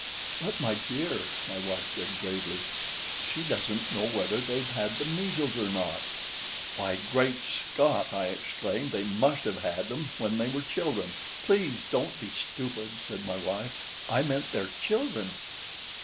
"But, my dear," my wife said, gravely, "she doesn't know whether they've had the measles or not." "Why, Great Scott!" I exclaimed, "they must have had them when they were children." "Please don't be stupid," said my wife. "I meant their children."